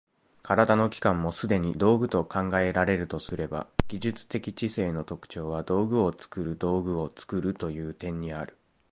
身体の器官もすでに道具と考えられるとすれば、技術的知性の特徴は道具を作る道具を作るという点にある。